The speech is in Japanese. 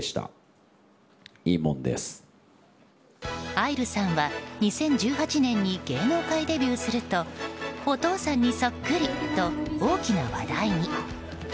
愛流さんは２０１８年に芸能界デビューするとお父さんにそっくり！と大きな話題に。